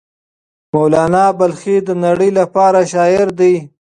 مولانا بلخي د نړۍ لپاره شاعر دی.